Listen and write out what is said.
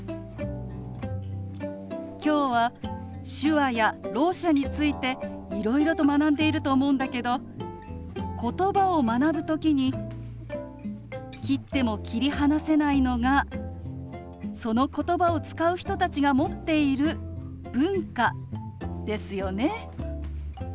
今日は手話やろう者についていろいろと学んでいると思うんだけどことばを学ぶ時に切っても切り離せないのがそのことばを使う人たちが持っている文化ですよね。